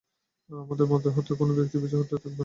আমাদের মধ্য হতে কোন ব্যক্তিই পিছু হটে থাকবে না।